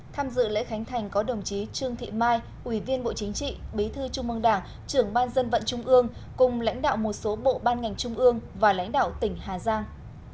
tham dự lễ khánh thành có đồng chí trương thị mai ủy viên bộ chính trị bí thư trung mương đảng trưởng ban dân vận trung ương cùng lãnh đạo một số bộ ban ngành trung ương và lãnh đạo tỉnh hà giang